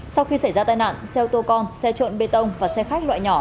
sau khi xảy ra tai nạn xe ô tô con xe trộn bê tông và xe khách loại nhỏ